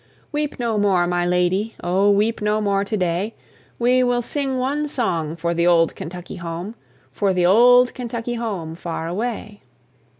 Weep no more, my lady, O, weep no more to day! We will sing one song for the old Kentucky home, For the old Kentucky home, far away.